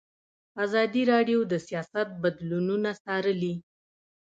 ازادي راډیو د سیاست بدلونونه څارلي.